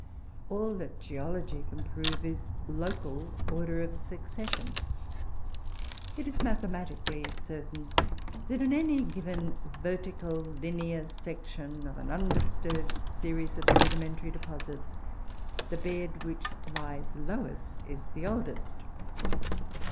All that geology can prove is local order of succession. It is mathematically certain that, in any given vertical linear section of an undisturbed series of sedimentary deposits, the bed which lies lowest is the oldest.